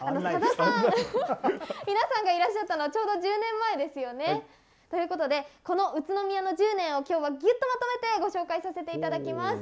皆さんがいらっしゃったのはちょうど１０年前ですよね。ということでこの宇都宮の１０年をぎゅっとまとめて今日はご紹介させていただきます。